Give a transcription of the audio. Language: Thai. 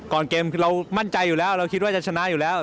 เกมคือเรามั่นใจอยู่แล้วเราคิดว่าจะชนะอยู่แล้ว